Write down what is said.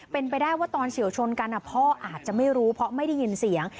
เป็นไปได้ว่าตอนเฉียวชนกันพ่ออาจจะไม่รู้เพราะไม่ได้ยินเสียง